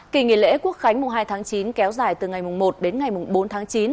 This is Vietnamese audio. kỳ nghỉ lễ quốc khánh mùng hai tháng chín kéo dài từ ngày một đến ngày bốn tháng chín